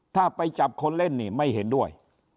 ถ้าไปจับคนเล่นนี่ไม่เห็นด้วย